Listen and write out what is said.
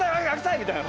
みたいな。